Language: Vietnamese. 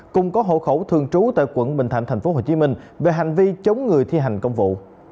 cùng có hộ khẩu thường trú tại quận bình thạnh tp hcm về hành vi chống người thi hành công vụ